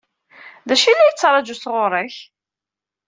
D acu i la yettṛaǧu sɣur-k?